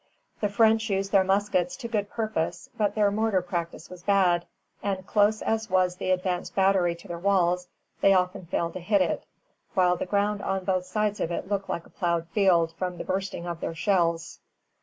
The French used their muskets to good purpose; but their mortar practice was bad, and close as was the advanced battery to their walls, they often failed to hit it, while the ground on both sides of it looked like a ploughed field, from the bursting of their shells.